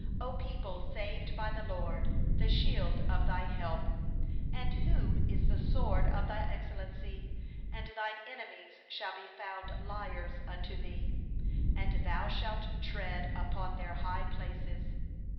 A people saved by the LORD, The shield of thy help, And that is the sword of thy excellency! And thine enemies shall dwindle away before thee; And thou shalt tread upon their high places.